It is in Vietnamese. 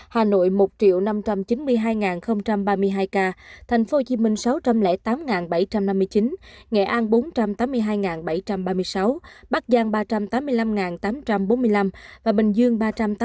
hà nội một năm trăm chín mươi hai ba mươi hai ca tp hcm sáu trăm linh tám bảy trăm năm mươi chín nghệ an bốn trăm tám mươi hai bảy trăm ba mươi sáu bắc giang ba trăm tám mươi năm tám trăm bốn mươi năm và bình dương ba trăm tám mươi tám